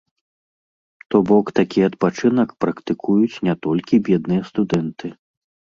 То бок такі адпачынак практыкуюць не толькі бедныя студэнты.